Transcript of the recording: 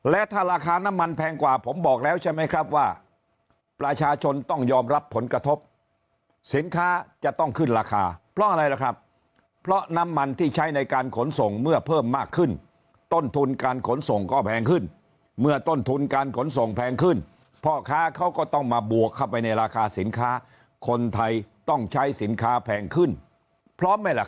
และถ้าราคาน้ำมันแพงกว่าผมบอกแล้วใช่ไหมครับว่าประชาชนต้องยอมรับผลกระทบสินค้าจะต้องขึ้นราคาเพราะอะไรล่ะครับเพราะน้ำมันที่ใช้ในการขนส่งเมื่อเพิ่มมากขึ้นต้นทุนการขนส่งก็แพงขึ้นเมื่อต้นทุนการขนส่งแพงขึ้นพ่อค้าเขาก็ต้องมาบวกเข้าไปในราคาสินค้าคนไทยต้องใช้สินค้าแพงขึ้นพร้อมไหมล่ะ